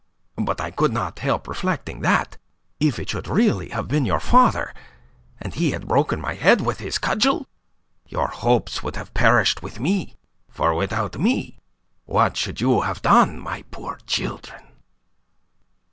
But I could not help reflecting that, if it should really have been your father, and he had broken my head with his cudgel, your hopes would have perished with me. For without me, what should you have done, my poor children?"